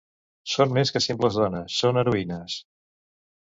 Són més que simples dones, són heroïnes.